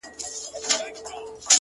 دغه سُر خالقه دغه تال کي کړې بدل _